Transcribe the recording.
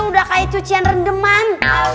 sudah seperti cucian rendeman